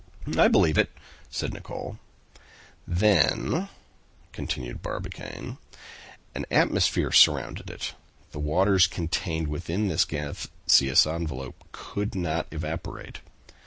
"I believe it," said Nicholl. "Then," continued Barbicane, "an atmosphere surrounded it, the waters contained within this gaseous envelope could not evaporate.